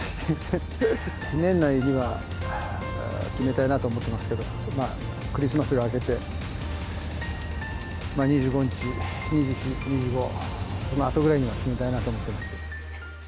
年内には決めたいなと思ってますけど、まあ、クリスマスが明けて、２５日、２４、２５、そのあとぐらいには決めたいなと思ってます。